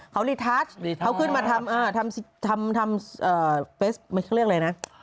เค้ารีทาร์จเค้าขึ้นมาทำเฟสไม่ค่อยเรียกอะไรนะ